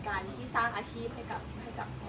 การที่สร้างอาชีพให้กับ